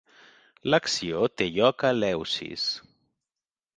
L'acció té lloc a Eleusis.